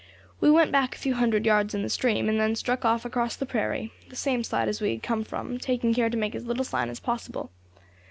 We went back a few hundred yards in the stream, and then struck off across the prairie, the same side as we had come from, taking care to make as little sign as possible.